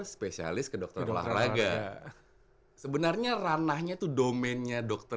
spesialis kedokteran olahraga sebenarnya ranahnya tuh domennya dokter